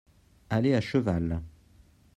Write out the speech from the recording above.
aller à cheval.